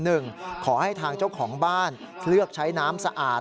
ขอให้ทางเจ้าของบ้านเลือกใช้น้ำสะอาด